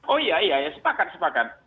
oh iya iya sepakat sepakat